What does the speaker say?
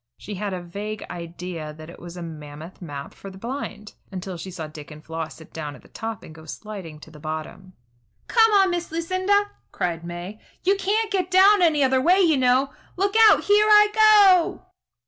She had a vague idea that it was a mammoth map for the blind, until she saw Dick and Floss sit down at the top and go sliding to the bottom. "Come on, Miss Lucinda!" cried May. "You can't get down any other way, you know. Look out! Here I go!"